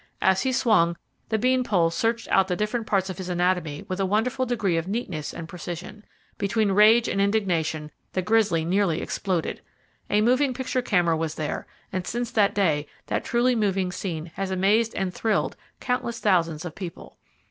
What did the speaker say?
As he swung, the bean pole searched out the different parts of his anatomy with a wonderful degree of neatness and precision. Between rage and indignation the grizzly nearly exploded. A moving picture camera was there, and since that day that truly moving scene has amazed and thrilled countless thousands of people.